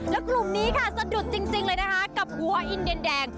แล้วกลุ่มนี้ค่ะสะดุดจริงเลยนะคะกับวัวอินเดียนแดง